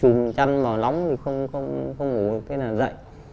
xong rồi nóng thì không ngủ được thế là dậy